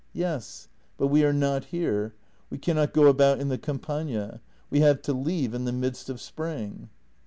"Yes; but we are not here. We cannot go about in the Campagna. We have to leave in the midst of spring."